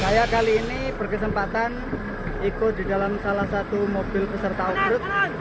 saya kali ini berkesempatan ikut di dalam salah satu mobil peserta off road